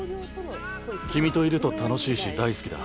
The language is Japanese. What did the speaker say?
君といると楽しいし大好きだ。